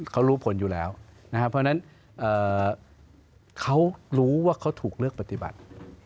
เขารู้ผลอยู่แล้วนะครับเพราะฉะนั้นเขารู้ว่าเขาถูกเลือกปฏิบัติ